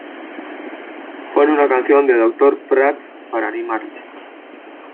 Pon una canción de Doctor Prats para animarles.